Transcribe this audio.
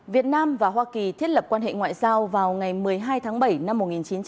việt nam và hoa kỳ thiết lập quan hệ ngoại giao vào ngày một mươi hai tháng bảy năm một nghìn chín trăm bảy mươi năm